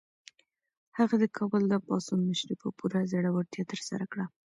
هغه د کابل د پاڅون مشري په پوره زړورتیا ترسره کړه.